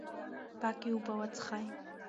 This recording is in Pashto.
پاکې اوبه وڅښئ.